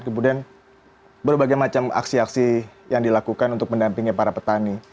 kemudian berbagai macam aksi aksi yang dilakukan untuk mendampingi para petani